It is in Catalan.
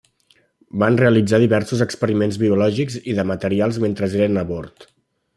Van realitzar diversos experiments biològics i de materials mentre eren a bord.